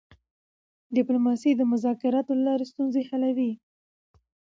ډیپلوماسي د مذاکراتو له لارې ستونزې حلوي.